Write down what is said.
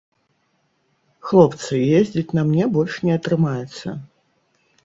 Хлопцы, ездзіць на мне больш не атрымаецца!